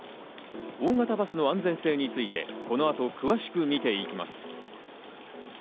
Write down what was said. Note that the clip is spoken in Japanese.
大型バスの安全性について、この後、詳しくみていきます。